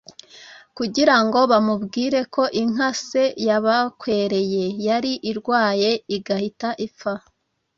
kugira ngo bamubwire ko inka se yabakwereye yari irwaye igahita ipfa